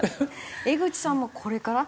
江口さんもこれから？